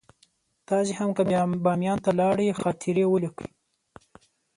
تاسې هم که بامیان ته لاړئ خاطرې ولیکئ.